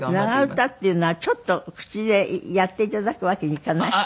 長唄っていうのはちょっと口でやっていただくわけにいかない？